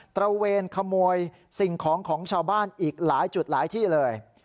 ระเวนขโมยสิ่งของของชาวบ้านอีกหลายจุดหลายที่เลย